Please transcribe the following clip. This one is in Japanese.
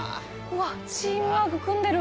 わっチームワーク組んでる。